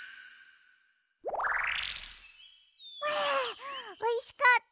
はあおいしかった！